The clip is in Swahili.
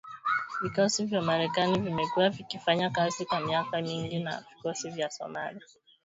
Vikosi vya Marekani vimekuwa vikifanya kazi kwa miaka mingi na vikosi vya Somalia katika juhudi zao za kuwadhibiti al-Shabaab